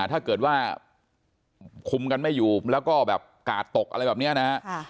ถ้าเกิดว่าคุมกันไม่อยู่แล้วก็แบบกาดตกอะไรแบบนี้นะฮะ